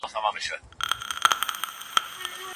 د دلارام نوم د یوې هندۍ ښځې له نامه څخه اخیستل سوی دی